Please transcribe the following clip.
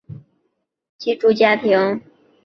大部分国际学生均住在学校提供的寄住家庭。